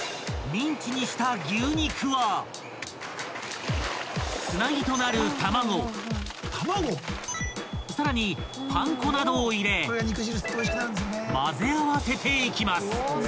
［ミンチにした牛肉はつなぎとなる卵さらにパン粉などを入れまぜ合わせていきます］